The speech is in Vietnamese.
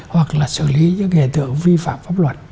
hoặc là xử lý những hiện tượng vi phạm pháp luật